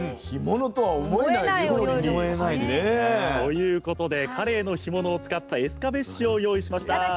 干物とは思えない料理ね。ということでカレイの干物を使ったエスカベッシュを用意しました。